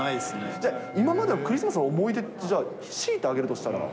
じゃあ、今までのクリスマスの思い出ってじゃあ、強いて挙げるとしたら。